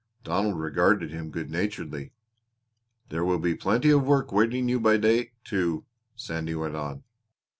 Donald regarded him good naturedly. "There will be plenty of work waiting you by day, too," Sandy went on.